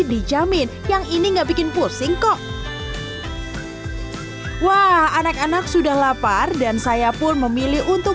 dijamin yang ini nggak bikin pusing kok wah anak anak sudah lapar dan saya pun memilih untuk